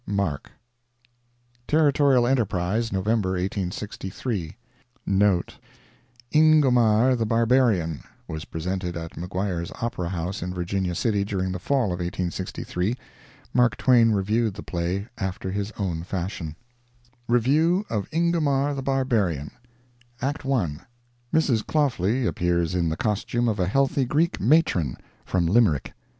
MARK Territorial Enterprise, November 1863 ["Ingomar, the Barbarian," was presented at Maguire's Opera House in Virginia City during the fall of 1863. Mark Twain reviewed the play after this own fashion:] REVIEW OF "INGOMAR THE BARBARIAN" ACT. 1.—Mrs. Claughley appears in the costume of a healthy Greek matron (from Limerick).